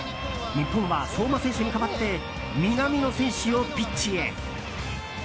日本は相馬選手に代わって南野選手をピッチへ。